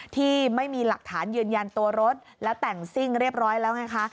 ที่ไม่มีหลักฐานยืนยันตัวรถแล้วแต่งซิ่งเรียบร้อยแล้วไงคะ